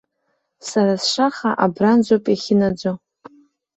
Сара сшаха абранӡоуп иахьынаӡо.